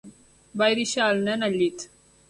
Vaig deixar el nen al llit.